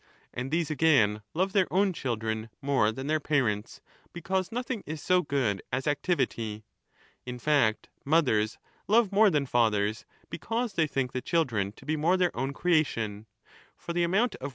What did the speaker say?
__ And these again love their own children more than their parents, because nothing is so good as activity ; in fact, mothers love more than fathers because they think the children to be more their own creation ; for 34 ^11 = E.